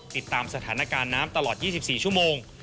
ติดตามสถานการณ์น้ำตลอด๒๔ชั่วโมง